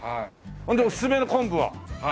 ほんでおすすめの昆布は？